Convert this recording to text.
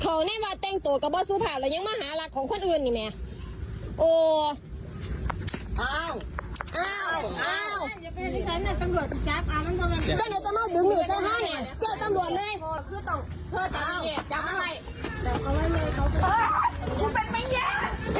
เขาอยู่ในวัดเต้นตัวกระบอดสุภาพแล้วยังมาหารักของคนอื่นอีกไหม